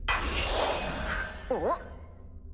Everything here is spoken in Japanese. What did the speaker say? おっ？